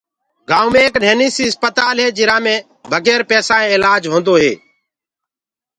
گائونٚ مي ايڪ نهيني سي اسپتال هي جرا مي ڦري اِلآج هوندو هي۔